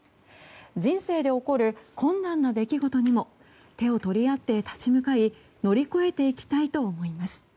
人生で起こる困難な出来事にも手を取り合って立ち向かい乗り越えていきたいと思います。